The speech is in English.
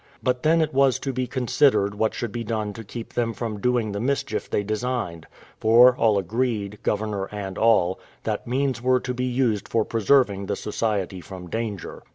But then it was to be considered what should be done to keep them from doing the mischief they designed; for all agreed, governor and all, that means were to be used for preserving the society from danger.